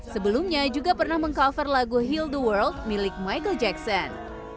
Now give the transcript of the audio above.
sebelumnya juga pernah meng cover lagu hill the world milik michael jackson